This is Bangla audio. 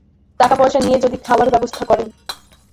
টাকা পয়সা নিয়ে যদি খাওয়ার ব্যবস্থা করেন।